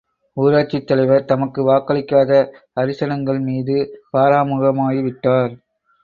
ஊராட்சித் தலைவர் தமக்கு வாக்களிக்காத அரிசனங்கள் மீது பராமுகமாகி விட்டார்!